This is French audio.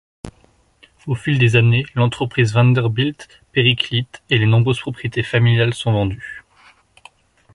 Au fil des années, l'entreprise Vanderbilt périclite et les nombreuses propriétés familiales sont vendues.